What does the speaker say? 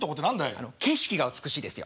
あの景色が美しいですよ。